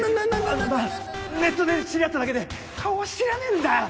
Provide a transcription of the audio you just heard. ネットで知り合っただけで顔は知らねぇんだよ。